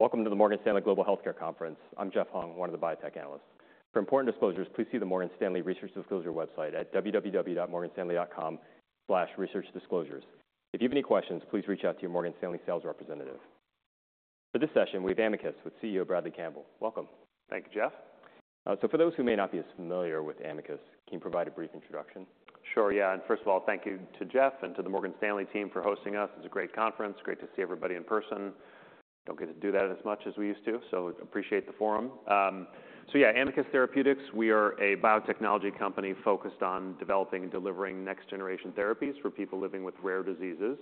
Welcome to the Morgan Stanley Global Healthcare Conference. I'm Jeff Hung, one of the biotech analysts. For important disclosures, please see the Morgan Stanley Research Disclosure website at www.morganstanley.com/researchdisclosures. If you have any questions, please reach out to your Morgan Stanley sales representative. For this session, we have Amicus, with CEO Bradley Campbell. Welcome. Thank you, Jeff. For those who may not be as familiar with Amicus, can you provide a brief introduction? Sure, yeah. First of all, thank you to Jeff and to the Morgan Stanley team for hosting us. It's a great conference. Great to see everybody in person. Don't get to do that as much as we used to, so appreciate the forum. So yeah, Amicus Therapeutics, we are a biotechnology company focused on developing and delivering next-generation therapies for people living with rare diseases.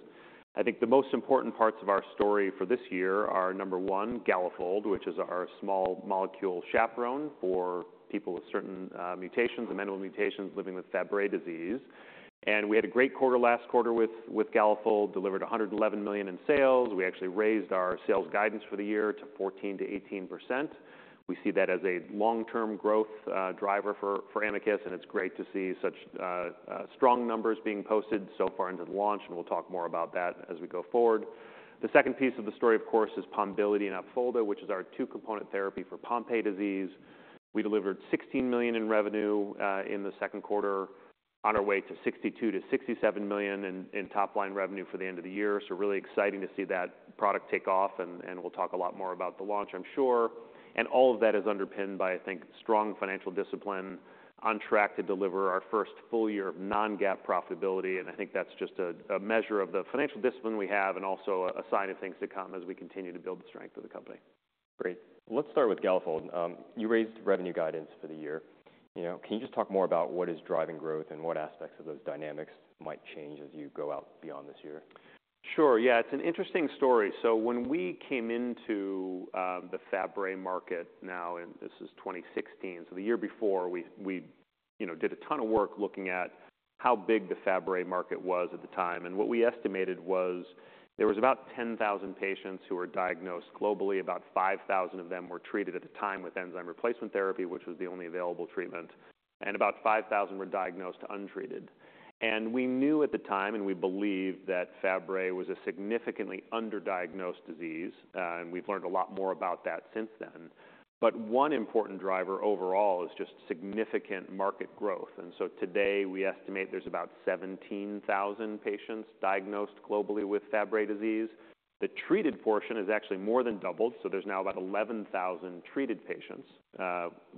I think the most important parts of our story for this year are, number one, Galafold, which is our small molecule chaperone for people with certain mutations, amenable mutations, living with Fabry disease. We had a great quarter last quarter with Galafold, delivered $111 million in sales. We actually raised our sales guidance for the year to 14%-18%. We see that as a long-term growth driver for Amicus, and it's great to see such strong numbers being posted so far into the launch, and we'll talk more about that as we go forward. The second piece of the story, of course, is Pombiliti and Opfolda, which is our two-component therapy for Pompe disease. We delivered $16 million in revenue in the second quarter, on our way to $62-67 million in top-line revenue for the end of the year. So really exciting to see that product take off, and we'll talk a lot more about the launch, I'm sure, and all of that is underpinned by, I think, strong financial discipline, on track to deliver our first full year of non-GAAP profitability. I think that's just a measure of the financial discipline we have, and also a sign of things to come as we continue to build the strength of the company. Great. Let's start with Galafold. You raised revenue guidance for the year. You know, can you just talk more about what is driving growth and what aspects of those dynamics might change as you go out beyond this year? Sure. Yeah, it's an interesting story. So when we came into the Fabry market now, and this is 2016, so the year before we you know did a ton of work looking at how big the Fabry market was at the time. And what we estimated was there was about 10,000 patients who were diagnosed globally. About 5,000 of them were treated at the time with enzyme replacement therapy, which was the only available treatment, and about 5,000 were diagnosed untreated. And we knew at the time, and we believe that Fabry was a significantly underdiagnosed disease, and we've learned a lot more about that since then. But one important driver overall is just significant market growth. And so today, we estimate there's about 17,000 patients diagnosed globally with Fabry disease. The treated portion is actually more than doubled, so there's now about 11,000 treated patients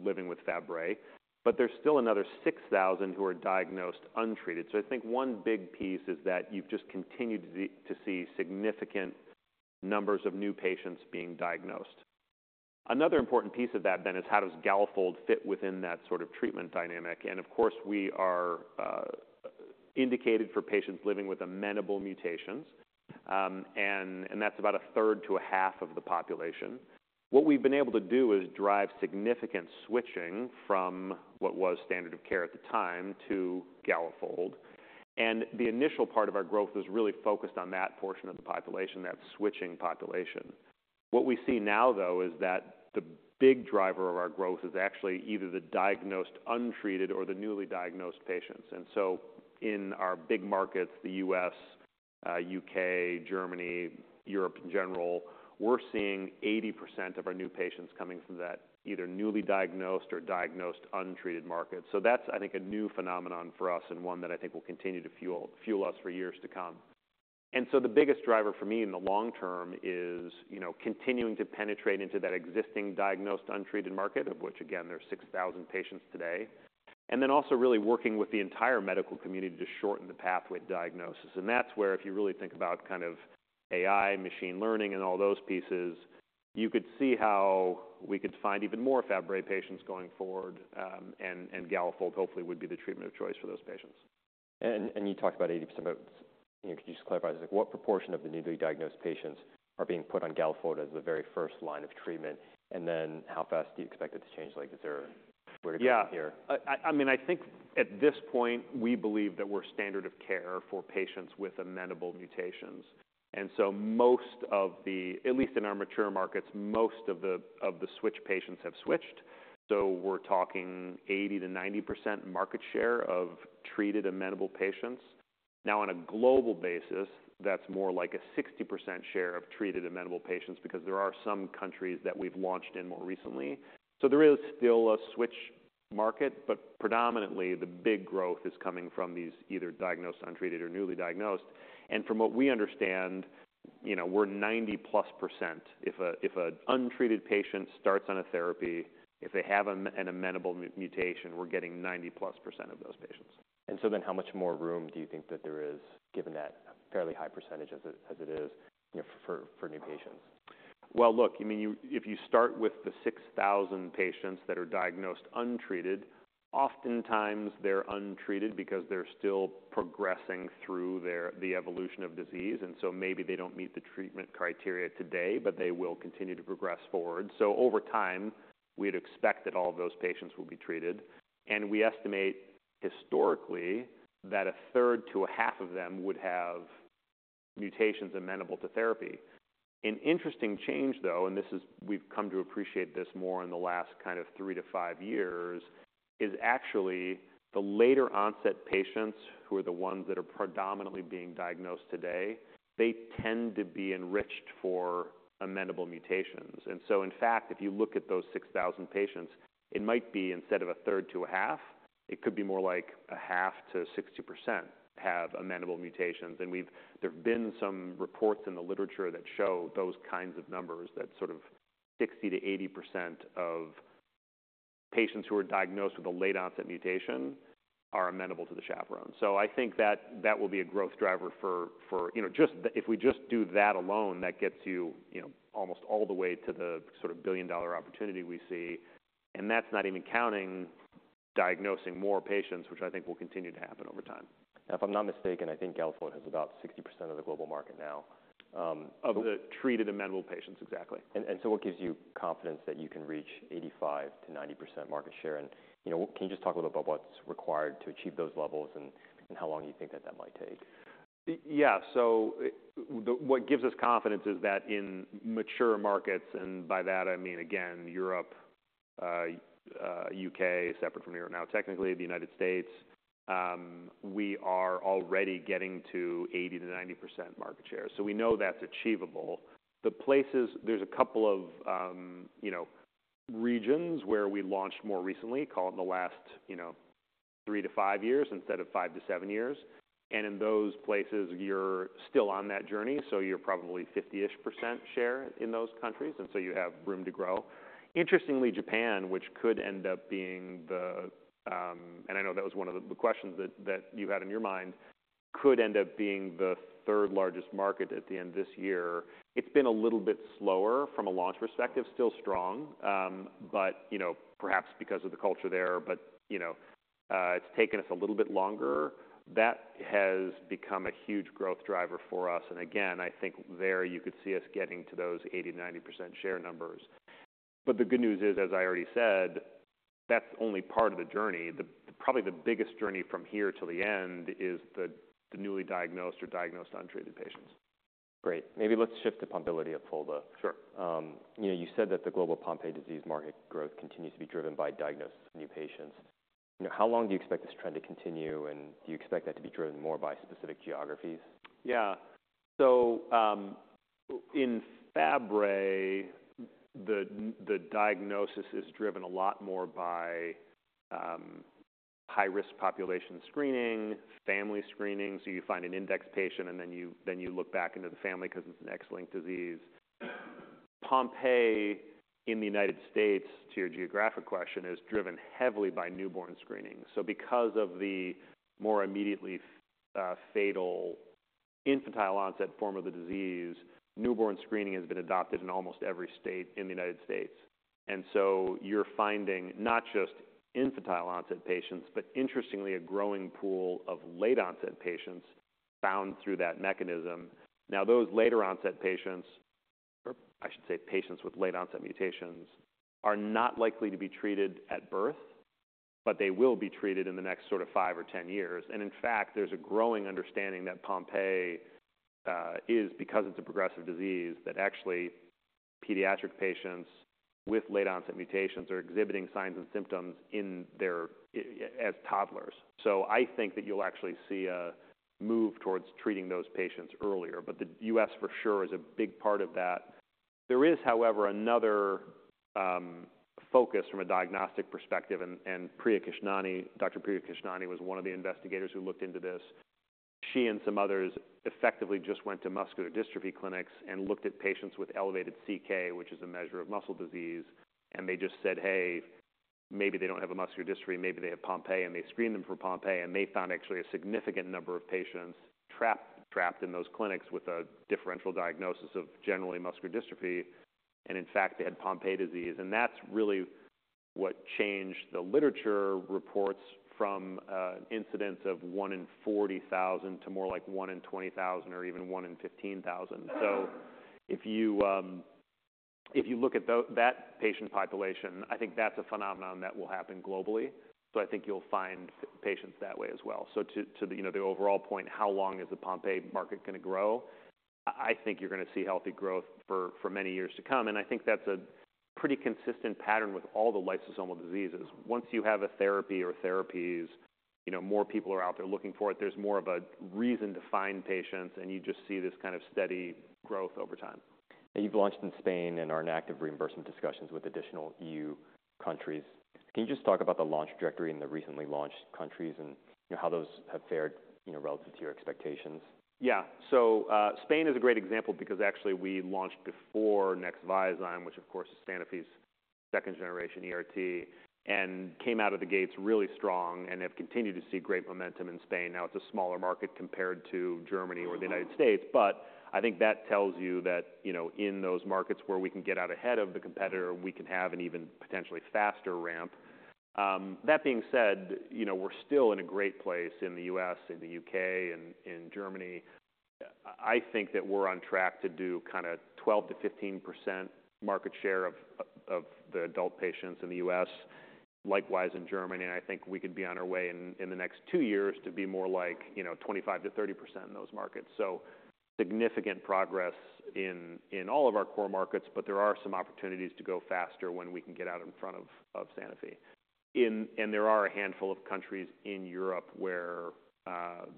living with Fabry, but there's still another 6,000 who are diagnosed untreated. So I think one big piece is that you've just continued to see significant numbers of new patients being diagnosed. Another important piece of that then is how does Galafold fit within that sort of treatment dynamic? And of course, we are indicated for patients living with amenable mutations, and that's about a third to a half of the population. What we've been able to do is drive significant switching from what was standard of care at the time to Galafold. And the initial part of our growth was really focused on that portion of the population, that switching population. What we see now, though, is that the big driver of our growth is actually either the diagnosed, untreated, or the newly diagnosed patients, and so in our big markets, the U.S., U.K., Germany, Europe in general, we're seeing 80% of our new patients coming from that, either newly diagnosed or diagnosed untreated market, so that's, I think, a new phenomenon for us and one that I think will continue to fuel us for years to come, and so the biggest driver for me in the long term is, you know, continuing to penetrate into that existing diagnosed, untreated market, of which again, there's 6,000 patients today, and then also really working with the entire medical community to shorten the pathway to diagnosis. That's where if you really think about kind of AI, machine learning, and all those pieces, you could see how we could find even more Fabry patients going forward, and Galafold hopefully would be the treatment of choice for those patients. You talked about 80%, but you know, could you just clarify, like, what proportion of the newly diagnosed patients are being put on Galafold as the very first line of treatment? And then how fast do you expect it to change, like, is there where to be here? Yeah. I mean, I think at this point, we believe that we're standard of care for patients with amenable mutations. And so most of the... At least in our mature markets, most of the switch patients have switched. So we're talking 80%-90% market share of treated amenable patients. Now, on a global basis, that's more like a 60% share of treated amenable patients because there are some countries that we've launched in more recently. So there is still a switch market, but predominantly, the big growth is coming from these either diagnosed, untreated, or newly diagnosed. And from what we understand, you know, we're 90+%. If an untreated patient starts on a therapy, if they have an amenable mutation, we're getting 90+% of those patients. And so then, how much more room do you think that there is, given that fairly high percentage as it is, you know, for new patients? Well, look, I mean, you, if you start with the 6000 patients that are diagnosed untreated, oftentimes they're untreated because they're still progressing through their, the evolution of disease, and so maybe they don't meet the treatment criteria today, but they will continue to progress forward. So over time, we'd expect that all of those patients will be treated. And we estimate historically, that a third to a half of them would have mutations amenable to therapy. An interesting change, though, and this is, we've come to appreciate this more in the last kind of three to five years, is actually the later onset patients, who are the ones that are predominantly being diagnosed today, they tend to be enriched for amenable mutations. And so in fact, if you look at those six thousand patients, it might be instead of a third to a half, it could be more like a half to 60% have amenable mutations. And we've, there have been some reports in the literature that show those kinds of numbers, that sort of 60% to 80% of patients who are diagnosed with a late-onset mutation are amenable to the chaperone. So I think that will be a growth driver for, you know, just the, if we just do that alone, that gets you, you know, almost all the way to the sort of billion-dollar opportunity we see. And that's not even counting diagnosing more patients, which I think will continue to happen over time. If I'm not mistaken, I think Galafold has about 60% of the global market now. Of the treated amenable patients, exactly. So what gives you confidence that you can reach 85%-90% market share? You know, can you just talk a little bit about what's required to achieve those levels and how long you think that might take? Yeah. So, what gives us confidence is that in mature markets, and by that I mean, again, Europe, UK, separate from here now, technically the United States, we are already getting to 80%-90% market share. So we know that's achievable. The places. There's a couple of, you know, regions where we launched more recently, call it in the last, you know, three to five years instead of five to seven years. And in those places, you're still on that journey, so you're probably 50%-ish% share in those countries, and so you have room to grow. Interestingly, Japan, which could end up being the. And I know that was one of the questions that you had in your mind, could end up being the third largest market at the end of this year. It's been a little bit slower from a launch perspective, still strong, but, you know, perhaps because of the culture there, but, you know, it's taken us a little bit longer. That has become a huge growth driver for us. And again, I think there you could see us getting to those 80%-90% share numbers. But the good news is, as I already said, that's only part of the journey. Probably the biggest journey from here till the end is the newly diagnosed or diagnosed untreated patients. Great. Maybe let's shift to Pombiliti and Opfolda. Sure. You know, you said that the global Pompe disease market growth continues to be driven by diagnosis of new patients. You know, how long do you expect this trend to continue, and do you expect that to be driven more by specific geographies? Yeah. So, in Fabry, the diagnosis is driven a lot more by high-risk population screening, family screening. So you find an index patient, and then you look back into the family because it's an X-linked disease. Pompe, in the United States, to your geographic question, is driven heavily by newborn screening. So because of the more immediately fatal infantile onset form of the disease, newborn screening has been adopted in almost every state in the United States. And so you're finding not just infantile onset patients, but interestingly, a growing pool of late-onset patients found through that mechanism. Now, those later-onset patients, or I should say, patients with late-onset mutations, are not likely to be treated at birth, but they will be treated in the next sort of five or ten years. And in fact, there's a growing understanding that Pompe is, because it's a progressive disease, that actually pediatric patients with late-onset mutations are exhibiting signs and symptoms as toddlers. So I think that you'll actually see a move towards treating those patients earlier. But the U.S., for sure, is a big part of that. There is, however, another focus from a diagnostic perspective, and Priya Kishnani, Dr. Priya Kishnani, was one of the investigators who looked into this. She and some others effectively just went to muscular dystrophy clinics and looked at patients with elevated CK, which is a measure of muscle disease, and they just said, "Hey, maybe they don't have a muscular dystrophy, maybe they have Pompe," and they screened them for Pompe, and they found actually a significant number of patients trapped in those clinics with a differential diagnosis of generally muscular dystrophy. In fact, they had Pompe disease. That's really what changed the literature reports from incidence of one in 40,000 to more like one in 20,000, or even one in 15,000, so if you look at that patient population, I think that's a phenomenon that will happen globally, so I think you'll find patients that way as well. To the overall point, you know, how long is the Pompe market gonna grow? I think you're gonna see healthy growth for many years to come. I think that's a pretty consistent pattern with all the lysosomal diseases. Once you have a therapy or therapies, you know, more people are out there looking for it. There's more of a reason to find patients, and you just see this kind of steady growth over time. You've launched in Spain and are in active reimbursement discussions with additional EU countries. Can you just talk about the launch trajectory in the recently launched countries and, you know, how those have fared, you know, relative to your expectations? Yeah. So, Spain is a great example because actually we launched before Nexviazyme, which of course, is Sanofi's second-generation ERT, and came out of the gates really strong and have continued to see great momentum in Spain. Now, it's a smaller market compared to Germany or the United States, but I think that tells you that, you know, in those markets where we can get out ahead of the competitor, we can have an even potentially faster ramp. That being said, you know, we're still in a great place in the U.S., in the U.K., and in Germany. I think that we're on track to do kinda 12%-15% market share of the adult patients in the U.S.... Likewise in Germany, and I think we could be on our way in the next two years to be more like, you know, 25-30% in those markets. So significant progress in all of our core markets, but there are some opportunities to go faster when we can get out in front of Sanofi. And there are a handful of countries in Europe where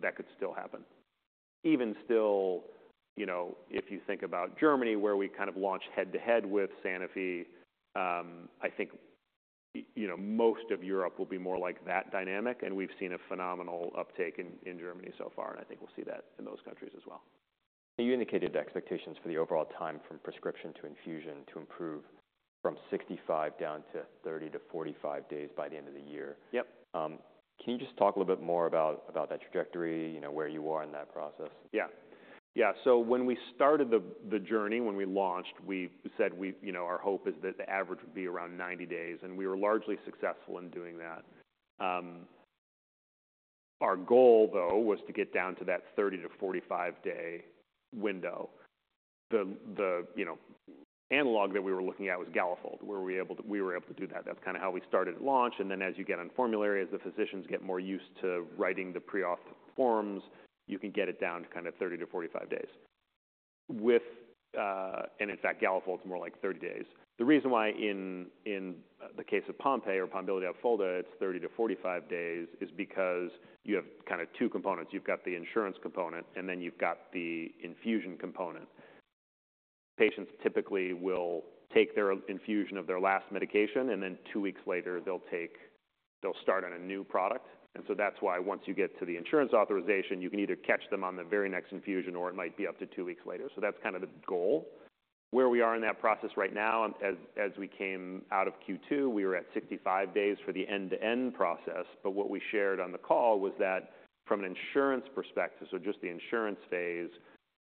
that could still happen. Even still, you know, if you think about Germany, where we kind of launched head-to-head with Sanofi, I think, you know, most of Europe will be more like that dynamic, and we've seen a phenomenal uptake in Germany so far, and I think we'll see that in those countries as well. You indicated expectations for the overall time from prescription to infusion to improve from 65 down to 30-45 days by the end of the year. Yep. Can you just talk a little bit more about that trajectory, you know, where you are in that process? Yeah. Yeah, so when we started the journey, when we launched, we said we, you know, our hope is that the average would be around 90 days, and we were largely successful in doing that. Our goal, though, was to get down to that 30-45 day window. The you know, analog that we were looking at was Galafold, where we were able to do that. That's kind of how we started at launch, and then as you get on formulary, as the physicians get more used to writing the pre-auth forms, you can get it down to kind of 30-45 days. With... And in fact, Galafold's more like 30 days. The reason why in the case of Pompe or Pombiliti and Opfolda, it's 30-45 days, is because you have kind of two components. You've got the insurance component, and then you've got the infusion component. Patients typically will take their infusion of their last medication, and then two weeks later, they'll start on a new product. And so that's why once you get to the insurance authorization, you can either catch them on the very next infusion or it might be up to two weeks later. So that's kind of the goal. Where we are in that process right now, as we came out of Q2, we were at 65 days for the end-to-end process. But what we shared on the call was that from an insurance perspective, so just the insurance phase,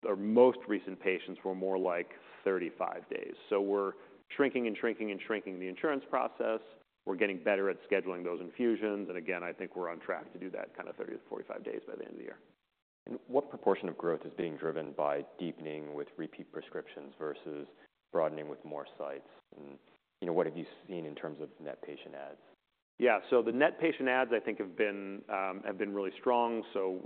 our most recent patients were more like 35 days. So we're shrinking and shrinking, and shrinking the insurance process. We're getting better at scheduling those infusions, and again, I think we're on track to do that kind of thirty to forty-five days by the end of the year. And what proportion of growth is being driven by deepening with repeat prescriptions versus broadening with more sites? And, you know, what have you seen in terms of net patient adds? Yeah. So the net patient adds, I think, have been really strong. So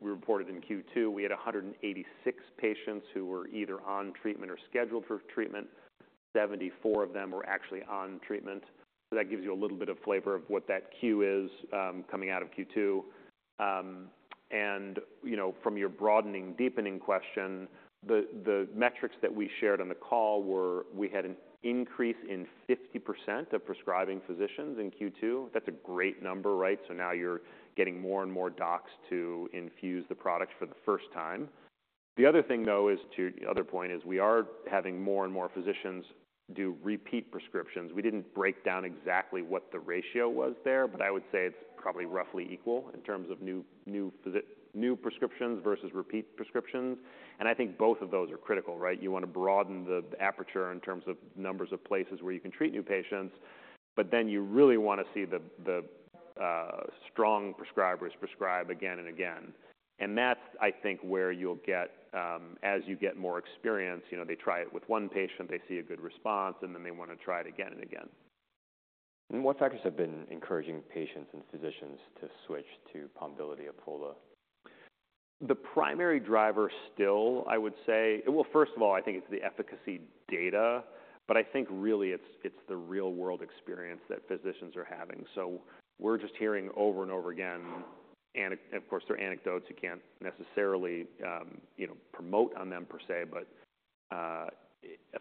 we reported in Q2, we had 186 patients who were either on treatment or scheduled for treatment. 74 of them were actually on treatment. So that gives you a little bit of flavor of what that queue is coming out of Q2. And, you know, from your broadening, deepening question, the metrics that we shared on the call were, we had an increase in 50% of prescribing physicians in Q2. That's a great number, right? So now you're getting more and more docs to infuse the products for the first time. The other thing, though, is the other point is we are having more and more physicians do repeat prescriptions. We didn't break down exactly what the ratio was there, but I would say it's probably roughly equal in terms of new prescriptions versus repeat prescriptions. And I think both of those are critical, right? You want to broaden the aperture in terms of numbers of places where you can treat new patients, but then you really want to see the strong prescribers prescribe again and again. And that's, I think, where you'll get as you get more experience, you know, they try it with one patient, they see a good response, and then they want to try it again and again. What factors have been encouraging patients and physicians to switch to Pombiliti Opfolda? The primary driver still, I would say, well, first of all, I think it's the efficacy data, but I think really it's the real-world experience that physicians are having. So we're just hearing over and over again, of course, they're anecdotes, you can't necessarily, you know, promote on them per se, but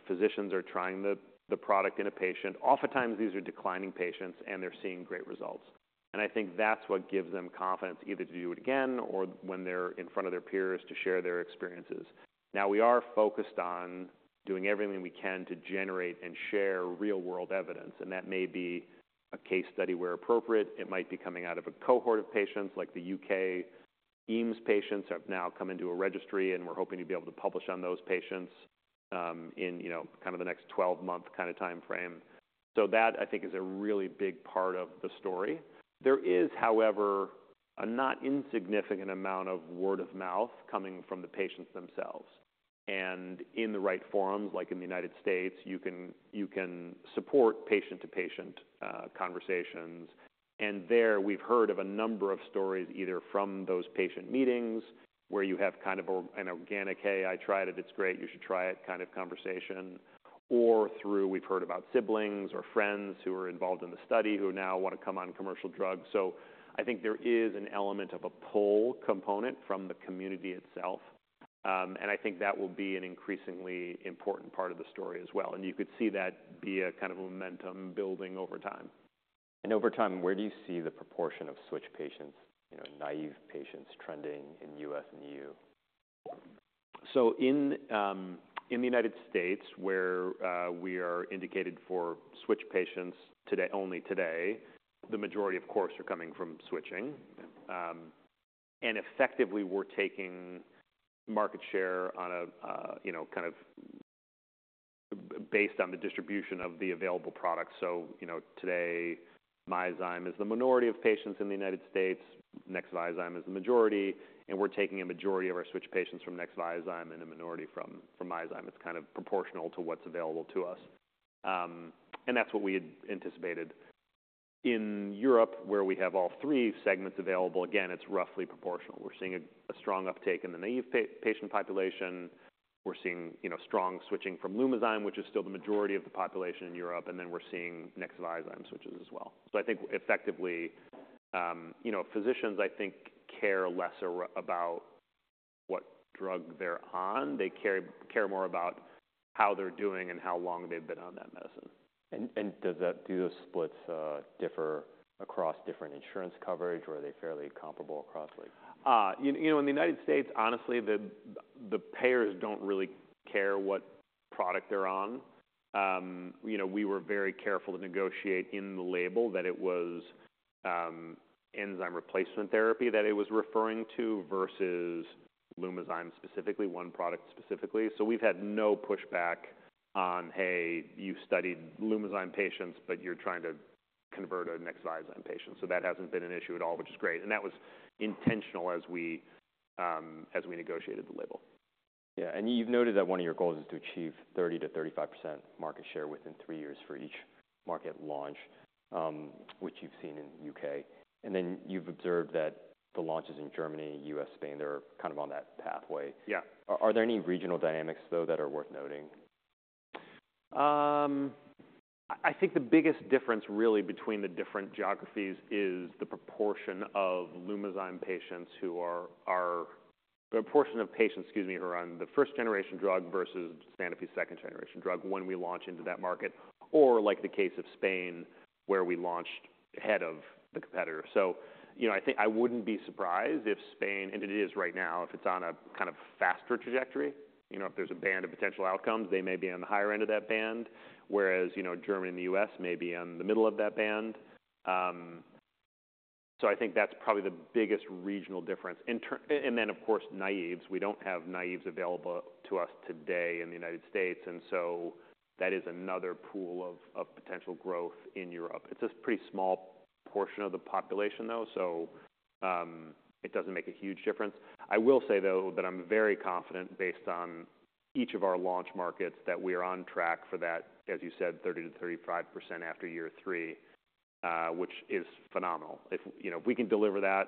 physicians are trying the product in a patient. Oftentimes, these are declining patients, and they're seeing great results. And I think that's what gives them confidence either to do it again or when they're in front of their peers, to share their experiences. Now, we are focused on doing everything we can to generate and share real-world evidence, and that may be a case study where appropriate. It might be coming out of a cohort of patients, like the U.K. EAMS patients have now come into a registry, and we're hoping to be able to publish on those patients in, you know, kind of the next twelve-month kind of timeframe. So that, I think, is a really big part of the story. There is, however, a not insignificant amount of word-of-mouth coming from the patients themselves. And in the right forums, like in the United States, you can support patient-to-patient conversations. And there, we've heard of a number of stories, either from those patient meetings, where you have kind of or an organic, "Hey, I tried it. It's great. You should try it," kind of conversation, or through... We've heard about siblings or friends who are involved in the study, who now want to come on commercial drugs. I think there is an element of a pull component from the community itself, and I think that will be an increasingly important part of the story as well. You could see that be a kind of a momentum building over time. Over time, where do you see the proportion of switch patients, you know, naive patients, trending in U.S. and EU? So in the United States, where we are indicated for switch patients today, only today, the majority, of course, are coming from switching. And effectively, we're taking market share on a, you know, kind of based on the distribution of the available products. So, you know, today, Myozyme is the minority of patients in the United States. Nexviazyme is the majority, and we're taking a majority of our switch patients from Nexviazyme and a minority from Myozyme. It's kind of proportional to what's available to us. And that's what we had anticipated. In Europe, where we have all three segments available, again, it's roughly proportional. We're seeing a strong uptake in the naive patient population. We're seeing, you know, strong switching from Lumizyme, which is still the majority of the population in Europe, and then we're seeing Nexviazyme switches as well. I think effectively, you know, physicians, I think, care less about what drug they're on. They care more about how they're doing and how long they've been on that medicine. Do those splits differ across different insurance coverage, or are they fairly comparable across the board? You know, in the United States, honestly, the payers don't really care what product they're on. You know, we were very careful to negotiate in the label that it was enzyme replacement therapy that it was referring to, versus Lumizyme, specifically, one product specifically. So we've had no pushback on, "Hey, you studied Lumizyme patients, but you're trying to convert a Nexviazyme patient." So that hasn't been an issue at all, which is great, and that was intentional as we negotiated the label. Yeah, and you've noted that one of your goals is to achieve 30%-35% market share within three years for each market launch, which you've seen in the U.K. And then you've observed that the launches in Germany, U.S., Spain, they're kind of on that pathway. Yeah. Are there any regional dynamics, though, that are worth noting? I think the biggest difference really between the different geographies is the proportion of Lumizyme patients who are. The proportion of patients, excuse me, who are on the first-generation drug versus Sanofi's second-generation drug when we launch into that market, or like the case of Spain, where we launched ahead of the competitor. You know, I think I wouldn't be surprised if Spain, and it is right now, if it's on a kind of faster trajectory, you know, if there's a band of potential outcomes, they may be on the higher end of that band, whereas, you know, Germany and the U.S. may be on the middle of that band. I think that's probably the biggest regional difference, and then, of course, naives. We don't have naïve available to us today in the United States, and so that is another pool of potential growth in Europe. It's a pretty small portion of the population, though, so it doesn't make a huge difference. I will say, though, that I'm very confident, based on each of our launch markets, that we are on track for that, as you said, 30-35% after year three, which is phenomenal. If, you know, if we can deliver that,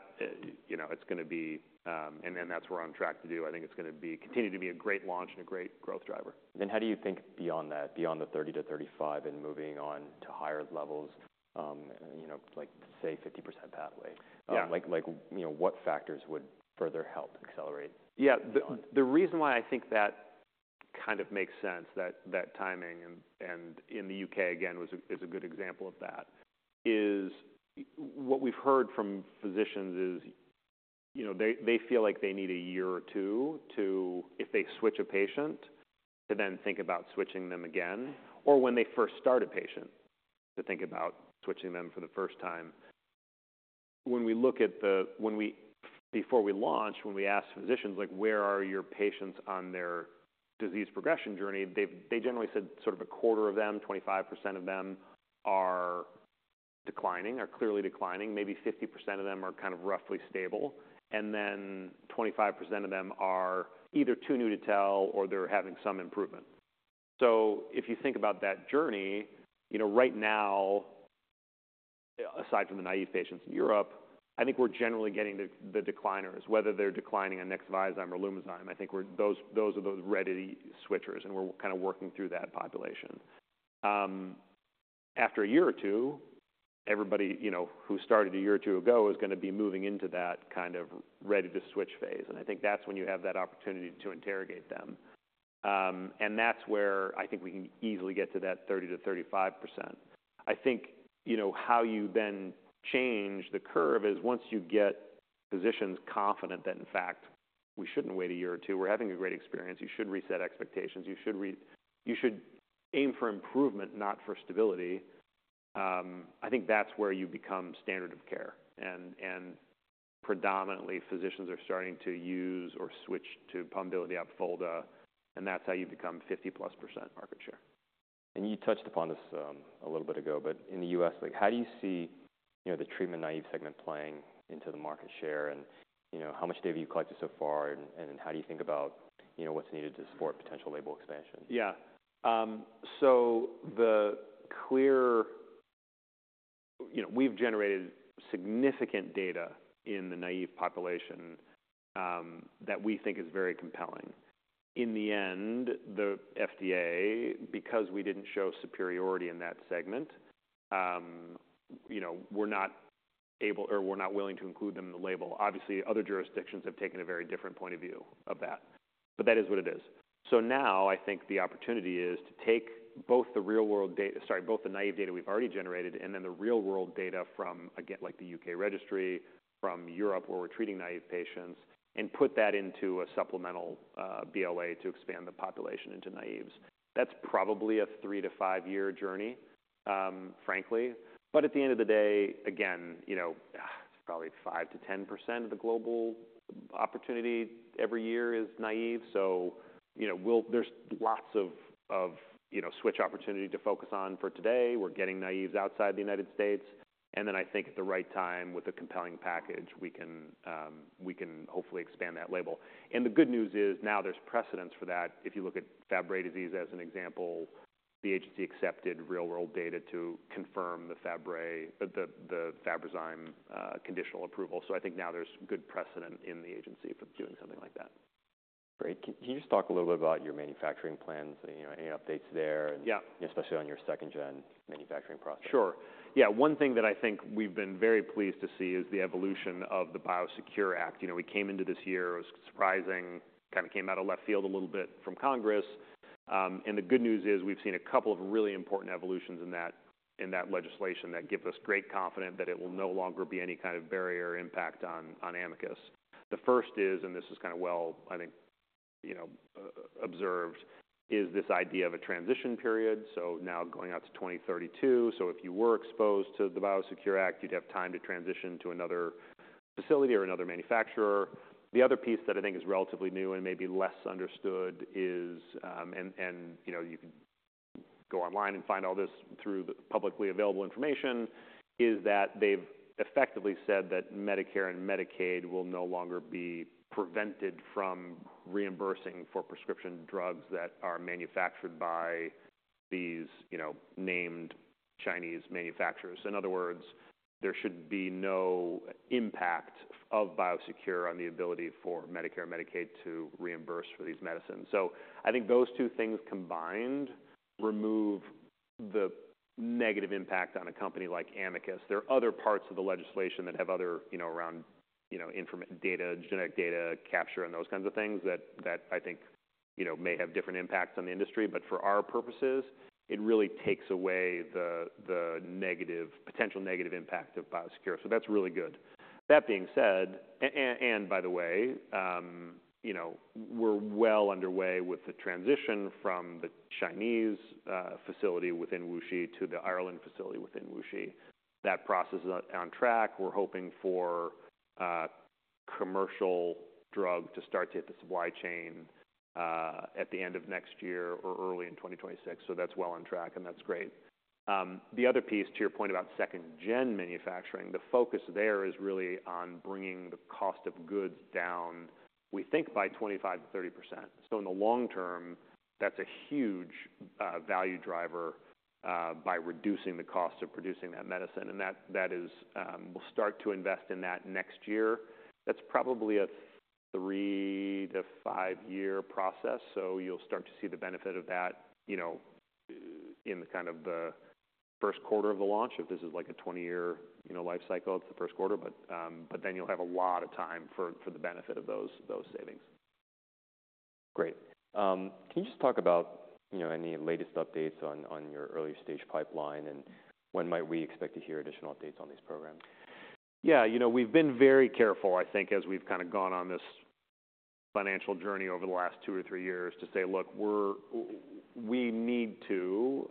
you know, it's gonna be... and then that's what we're on track to do. I think it's gonna continue to be a great launch and a great growth driver. Then how do you think beyond that, beyond the 30%-35% and moving on to higher levels, you know, like, say, 50% pathway? Yeah. Like, you know, what factors would further help accelerate? Yeah. The reason why I think that kind of makes sense, that timing, and in the U.K., again, is a good example of that, is what we've heard from physicians is, you know, they feel like they need a year or two to, if they switch a patient, to then think about switching them again, or when they first start a patient, to think about switching them for the first time. Before we launch, when we ask physicians: Like, where are your patients on their disease progression journey? They generally said sort of a quarter of them, 25% of them, are declining, or clearly declining. Maybe 50% of them are kind of roughly stable. And then 25% of them are either too new to tell or they're having some improvement. So if you think about that journey, you know, right now, aside from the naive patients in Europe, I think we're generally getting the decliners, whether they're declining on Nexviazyme or Lumizyme. I think those are the ready switchers, and we're kind of working through that population. After a year or two, everybody, you know, who started a year or two ago is gonna be moving into that kind of ready-to-switch phase, and I think that's when you have that opportunity to interrogate them, and that's where I think we can easily get to that 30%-35%. I think, you know, how you then change the curve is once you get physicians confident that, in fact, we shouldn't wait a year or two, we're having a great experience. You should reset expectations. You should aim for improvement, not for stability. I think that's where you become standard of care, and predominantly, physicians are starting to use or switch to Pombiliti or Opfolda, and that's how you become 50-plus% market share. And you touched upon this, a little bit ago, but in the U.S., like, how do you see, you know, the treatment-naive segment playing into the market share? And, you know, how much data have you collected so far, and how do you think about, you know, what's needed to support potential label expansion? Yeah. So you know, we've generated significant data in the naive population that we think is very compelling. In the end, the FDA, because we didn't show superiority in that segment, you know, were not able or were not willing to include them in the label. Obviously, other jurisdictions have taken a very different point of view of that, but that is what it is. So now I think the opportunity is to take both the real-world data. Sorry, both the naive data we've already generated and then the real-world data from, again, like the U.K. registry, from Europe, where we're treating naive patients, and put that into a supplemental BLA to expand the population into naives. That's probably a three- to five-year journey, frankly, but at the end of the day, again, you know, probably 5-10% of the global opportunity every year is naive. So, you know, we'll. There's lots of, you know, switch opportunity to focus on for today. We're getting naives outside the United States, and then I think at the right time, with a compelling package, we can, we can hopefully expand that label. And the good news is now there's precedent for that. If you look at Fabry disease as an example, the agency accepted real world data to confirm the Fabryzyme conditional approval. So I think now there's good precedent in the agency for doing something like that. Great. Can you just talk a little bit about your manufacturing plans? You know, any updates there? Yeah. especially on your second gen manufacturing process? Sure. Yeah, one thing that I think we've been very pleased to see is the evolution of the Biosecure Act. You know, we came into this year, it was surprising, kind of came out of left field a little bit from Congress, and the good news is, we've seen a couple of really important evolutions in that legislation that give us great confidence that it will no longer be any kind of barrier impact on Amicus. The first is, and this is kind of well, I think, you know, observed, is this idea of a transition period, so now going out to twenty thirty-two. So if you were exposed to the Biosecure Act, you'd have time to transition to another facility or another manufacturer. The other piece that I think is relatively new and maybe less understood is, You know, you can go online and find all this through the publicly available information, is that they've effectively said that Medicare and Medicaid will no longer be prevented from reimbursing for prescription drugs that are manufactured by these, you know, named Chinese manufacturers. In other words, there should be no impact of Biosecure on the ability for Medicare or Medicaid to reimburse for these medicines. So I think those two things combined, remove the negative impact on a company like Amicus. There are other parts of the legislation that have other, you know, around, you know, information, data, genetic data capture and those kinds of things that, that I think, you know, may have different impacts on the industry. But for our purposes, it really takes away the potential negative impact of Biosecure. So that's really good. That being said, and by the way, you know, we're well underway with the transition from the Chinese facility within WuXi to the Ireland facility within WuXi. That process is on track. We're hoping for a commercial drug to start to hit the supply chain at the end of next year or early in 2026. So that's well on track, and that's great. The other piece, to your point about second-gen manufacturing, the focus there is really on bringing the cost of goods down, we think by 25%-30%. So in the long term, that's a huge value driver by reducing the cost of producing that medicine. And that is. We'll start to invest in that next year. That's probably a three- to five-year process, so you'll start to see the benefit of that, you know, in the kind of the first quarter of the launch. If this is like a 20-year, you know, life cycle, it's the first quarter, but, but then you'll have a lot of time for the benefit of those savings. Great. Can you just talk about, you know, any latest updates on your early stage pipeline, and when might we expect to hear additional updates on these programs? Yeah, you know, we've been very careful, I think, as we've kind of gone on this financial journey over the last two or three years, to say, "Look, we're we need to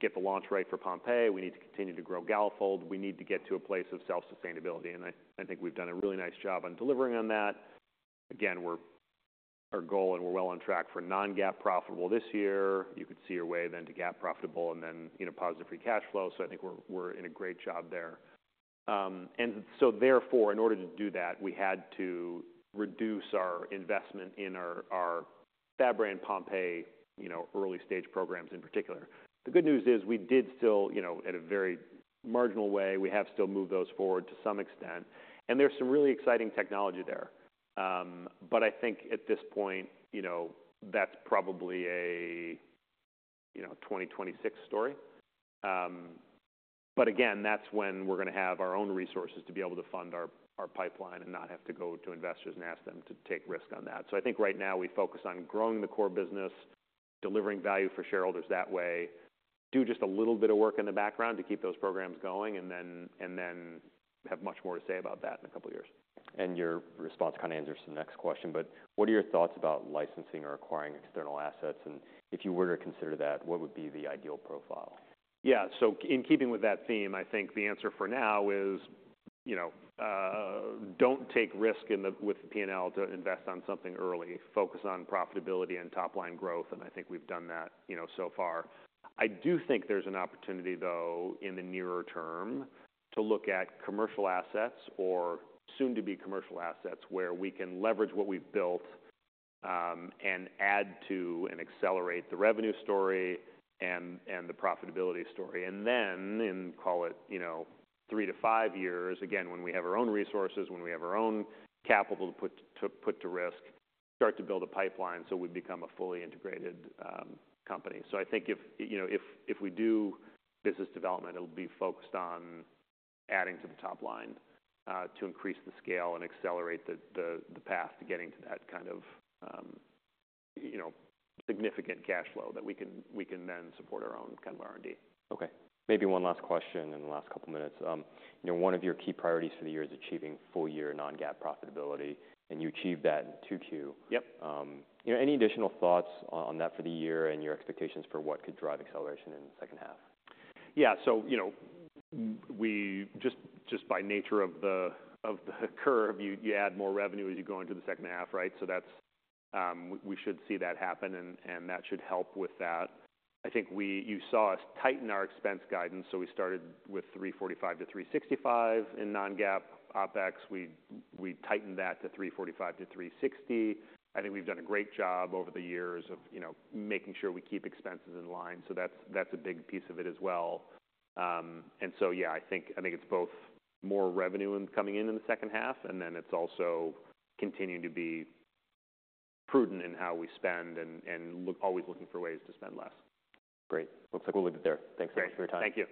get the launch right for Pompe, we need to continue to grow Galafold. We need to get to a place of self-sustainability." And I think we've done a really nice job on delivering on that. Again, we're. Our goal, and we're well on track for non-GAAP profitable this year. You could see your way then to GAAP profitable, and then, you know, positive free cash flow. So I think we're in a great job there. And so therefore, in order to do that, we had to reduce our investment in our our Fabry and Pompe, you know, early stage programs in particular. The good news is we did still, you know, at a very marginal way, we have still moved those forward to some extent, and there's some really exciting technology there. But I think at this point, you know, that's probably a, you know, 2026 story. But again, that's when we're going to have our own resources to be able to fund our pipeline and not have to go to investors and ask them to take risk on that. So I think right now we focus on growing the core business, delivering value for shareholders that way. Do just a little bit of work in the background to keep those programs going, and then have much more to say about that in a couple of years. And your response kind of answers the next question, but what are your thoughts about licensing or acquiring external assets? And if you were to consider that, what would be the ideal profile? Yeah. So in keeping with that theme, I think the answer for now is, you know, don't take risk with the P&L to invest on something early. Focus on profitability and top-line growth, and I think we've done that, you know, so far. I do think there's an opportunity, though, in the nearer term, to look at commercial assets or soon-to-be commercial assets, where we can leverage what we've built, and add to and accelerate the revenue story and the profitability story. And then in, call it, you know, three to five years, again, when we have our own resources, when we have our own capital to put to risk, start to build a pipeline, so we become a fully integrated company. So I think if you know if we do business development, it'll be focused on adding to the top line to increase the scale and accelerate the path to getting to that kind of you know significant cash flow that we can then support our own kind of R&D. Okay, maybe one last question in the last couple minutes. You know, one of your key priorities for the year is achieving full-year non-GAAP profitability, and you achieved that in 2Q. Yep. You know, any additional thoughts on that for the year and your expectations for what could drive acceleration in the second half? Yeah. So, you know, we just by nature of the curve, you add more revenue as you go into the second half, right? So that's. We should see that happen, and that should help with that. I think you saw us tighten our expense guidance, so we started with $345-$365 in non-GAAP OpEx. We tightened that to $345-$360. I think we've done a great job over the years of, you know, making sure we keep expenses in line. So that's a big piece of it as well. And so yeah, I think it's both more revenue coming in in the second half, and then it's also continuing to be prudent in how we spend and always looking for ways to spend less. Great. Looks like we'll leave it there. Thanks so much for your time. Thank you.